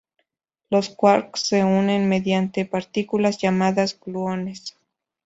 Los quarks se unen mediante partículas llamadas gluones.